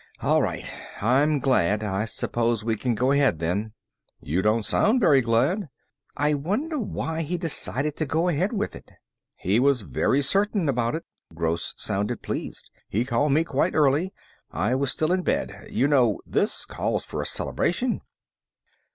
"All right. I'm glad. I suppose we can go ahead, then." "You don't sound very glad." "I wonder why he decided to go ahead with it." "He was very certain about it." Gross sounded pleased. "He called me quite early. I was still in bed. You know, this calls for a celebration."